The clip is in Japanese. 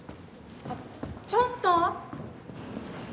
あっちょっと！